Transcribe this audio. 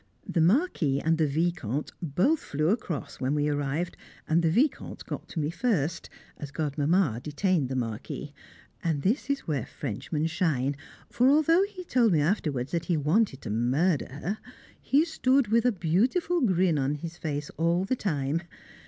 The Marquis and the Vicomte both flew across when we arrived, and the Vicomte got to me first, as Godmamma detained the Marquis; and this is where Frenchmen shine, for although he told me afterwards that he wanted to murder her, he stood with a beautiful grin on his face all the time.